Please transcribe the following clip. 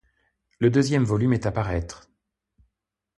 Le deuxième volume est à paraître.